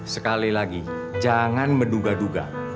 sekali lagi jangan menduga duga